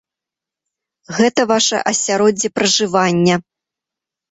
Гэта ваша асяроддзе пражывання.